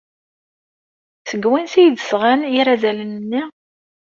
Seg wansi ay d-sɣan irazalen-nni?